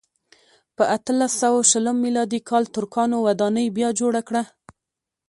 په اتلس سوه شلم میلادي کال ترکانو ودانۍ بیا جوړه کړه.